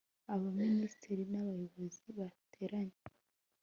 abaminisitiri n'abayobozi bateranye